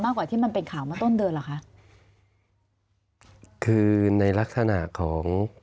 กว่าที่มันเป็นข่าวมาต้นเดือนเหรอคะคือในลักษณะของ